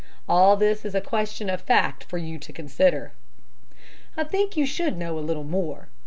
All this is a question of fact for you to consider. "I think you should know a little more.